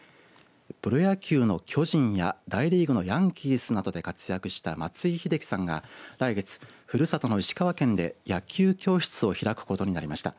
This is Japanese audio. プロ野球の巨人や大リーグのヤンキースなどで活躍した、松井秀喜さんが来月ふるさとの石川県で野球教室を開くことになりました。